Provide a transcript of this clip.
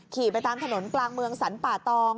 ขี่ไปตามถนนกลางเมืองสรรป่าตอง